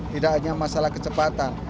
tidak hanya masalah kecepatan